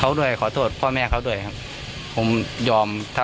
เรื่องนี้นะครับฝ่ายหญิงเข้าไปแจ้งความที่สพปลวกแดงนะครับเรื่องการทำร้ายร่างกายนะฮะ